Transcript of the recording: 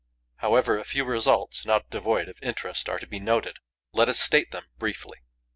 However, a few results, not devoid of interest, are to be noted. Let us state them briefly.